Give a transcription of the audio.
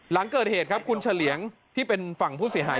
หลังเกิดเหตุครับคุณเฉลี่ยงที่เป็นฝั่งผู้เสียหาย